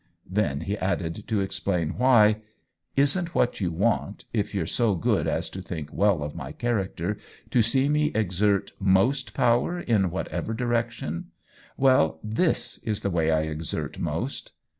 Then he added, to explain why :" Isn't what you want, if you're so good as to think well of my character, to see me exert most power, in whatever direction? Well, this is the way I exert most."